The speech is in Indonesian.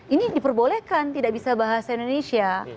ini diperbolehkan tidak bisa bahasa indonesia